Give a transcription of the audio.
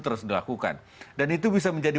terus dilakukan dan itu bisa menjadi